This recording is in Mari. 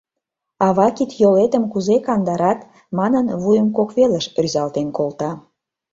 Ава кид-йолетым кузе кандарат! — манын, вуйым кок велыш рӱзалтен колта.